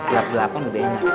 gelap gelapan lebih enak